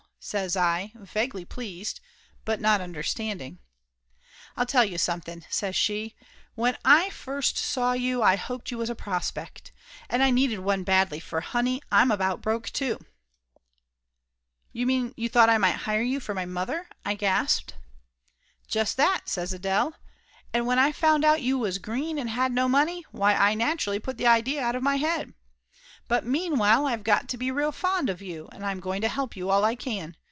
says I, vaguely pleased, but not under standing. "I'll tell you something," says she. "When I first saw you I hoped you was a prospect. And I needed one badly, for, honey, I'm about broke too !" "You mean you thought I might hire you for my mother?" I gasped. Laughter Limited 125 "Just that!" says Adele. "And when I found out you was green and had no money, why I naturally put the idea out of my head. But meanwhile I've got to be real fond of you, and I'm going to help you all I can!